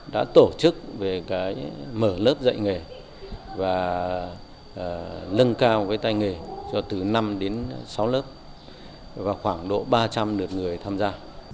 đã tổ chức về mở lớp dạy nghề và nâng cao cái tay nghề cho từ năm đến sáu lớp và khoảng độ ba trăm linh lượt người tham gia